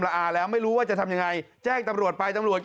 อาแล้วไม่รู้ว่าจะทำยังไงแจ้งตำรวจไปตำรวจ